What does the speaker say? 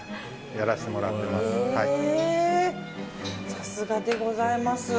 さすがでございます。